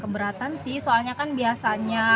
keberatan sih soalnya kan biasanya